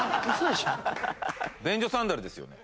便所サンダルですよね？